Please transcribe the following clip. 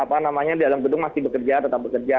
apa namanya di dalam gedung masih bekerja tetap bekerja